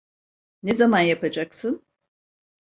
Ne zaman yapacaksın?